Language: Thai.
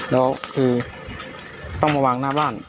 แล้วคือต้องมาวางหน้าบ้าน